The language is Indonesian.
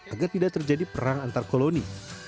agar tidak terjadi perang antar koloni